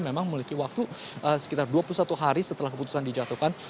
memang memiliki waktu sekitar dua puluh satu hari setelah keputusan dijatuhkan